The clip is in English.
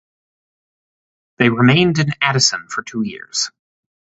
They remained in Addison for two years.